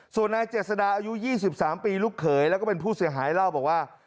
ส่วนนายเจษดาอายุ๒๓ปีลูกเขยแล้วก็เป็นผู้เสียหายเล่าบอกว่า